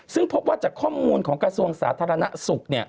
ซึ่งพบว่าจากข้อมูลของกระทรวงสาธารณสุข